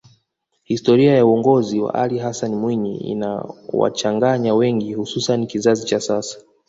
historia ya uongozi wa Alli Hassani Mwinyi inawachanganya wengi hususani kizazi cha sasa